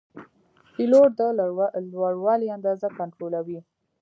پیلوټ د لوړوالي اندازه کنټرولوي.